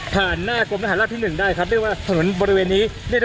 ทางกลุ่มมวลชนทะลุฟ้าทางกลุ่มมวลชนทะลุฟ้า